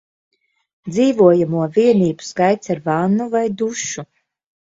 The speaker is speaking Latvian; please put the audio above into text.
Dzīvojamo vienību skaits ar vannu vai dušu